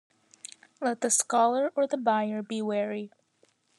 Let the scholar or the buyer be wary.